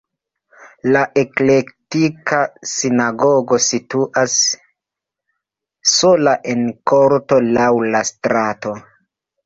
La eklektika sinagogo situas sola en korto laŭ la strato.